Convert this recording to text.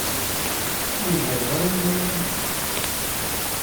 Ur ẓrin ara yimawlan-nnek?